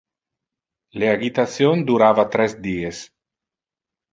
Le agitation durava tres dies.